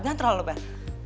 jangan terlalu lebar